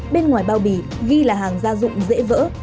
bên ngoài bao bì ghi là hàng gia dụng dễ vỡ